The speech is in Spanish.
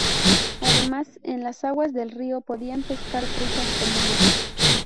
Además en las aguas del río podían pescar truchas comunes.